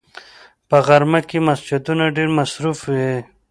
په غرمه کې مسجدونه ډېر مصروف وي